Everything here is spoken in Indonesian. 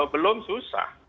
kalau belum susah